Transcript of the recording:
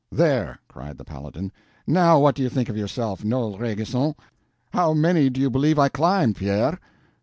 "There!" cried the Paladin; "now what do you think of yourself, Noel Rainguesson? How many do you believe I climbed, Pierre?"